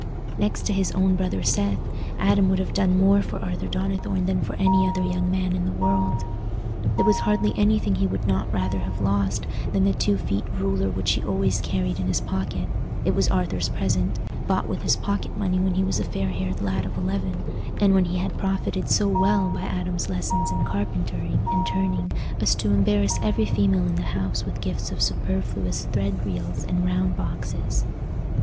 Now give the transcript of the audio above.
Next to his own brother Seth, Adam would have done more for Arthur Donnithorne than for any other young man in the world. There was hardly anything he would not rather have lost than the two feet ruler which he always carried in his pocket; it was Arthur's present, bought with his pocket money when he was a fair haired lad of eleven, and when he had profited so well by Adam's lessons in carpentering and turning as to embarrass every female in the house with gifts of superfluous thread reels and round boxes.